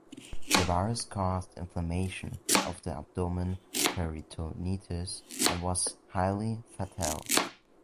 The virus caused inflammation of the abdomen (peritonitis) and was highly fatal.